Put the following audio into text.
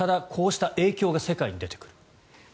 こうした影響が世界に出てくる。